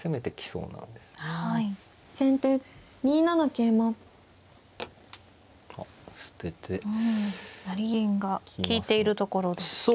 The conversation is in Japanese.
うん成銀が利いているところですけれど。